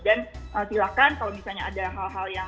dan silakan kalau misalnya ada hal hal yang akan diperlukan